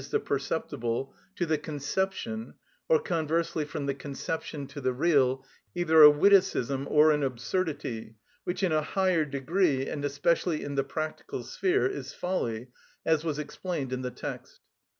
_, the perceptible, to the conception, or conversely from the conception to the real, either a witticism or an absurdity, which in a higher degree, and especially in the practical sphere, is folly, as was explained in the text.